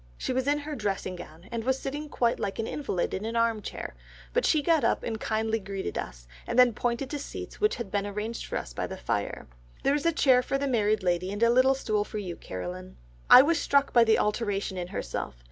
She was in her dressing gown, and was sitting quite like an invalid in an arm chair, but she got up and kindly greeted us, and then pointing to seats which had been arranged for us by the fire, 'There is a chair for the married lady, and a little stool for you, Caroline.'... I was struck by the alteration in herself.